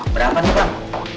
berapa nih bang